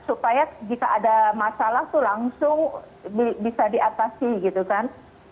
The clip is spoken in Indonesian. supaya jika ada masalah itu langsung bisa diatasi gitu kan